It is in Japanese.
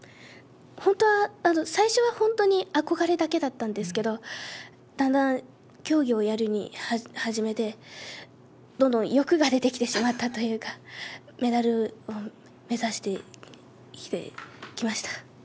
本当は、最初は本当に憧れだけだったんですけれども、だんだん競技をやるにはじめて、どんどん欲が出てきてしまったというか、メダルを目指してきました。